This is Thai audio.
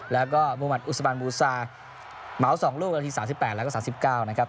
แล้วก็มุมัติอุสบันบูซาเหมา๒ลูกนาที๓๘แล้วก็๓๙นะครับ